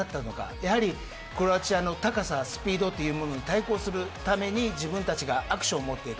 やはりクロアチアの高さやスピードに対抗するために自分たちがアクションを持っていく。